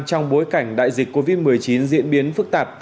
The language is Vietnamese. trong bối cảnh đại dịch covid một mươi chín diễn biến phức tạp